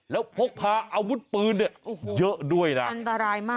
แล้วพกพาอาวุธปืนเยอะด้วยนะ